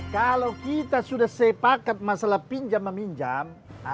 kalau kita sudah sepakat masalah pinjam meminjam